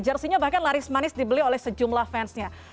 jersinya bahkan laris manis dibeli oleh sejumlah fansnya